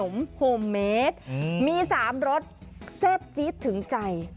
มีสามรสแซ่บจี๊ดถึงใจ